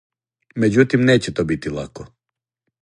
Међутим неће то бити лако.